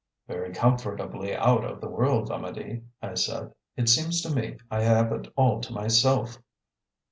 "Very comfortably out of the world, Amedee," I said. "It seems to me I have it all to myself."